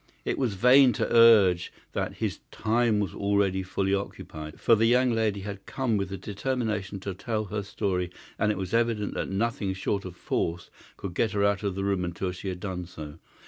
It was vain to urge that his time was already fully occupied, for the young lady had come with the determination to tell her story, and it was evident that nothing short of force could get her out of the room until she had done so.